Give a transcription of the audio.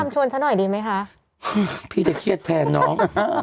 พี่มาทำชวนฉันหน่อยดีไหมคะพี่จะเครียดแพงน้อง